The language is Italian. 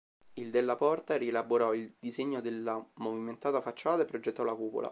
Il Della Porta rielaborò il disegno della movimentata facciata e progettò la cupola.